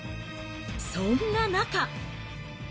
そんな中。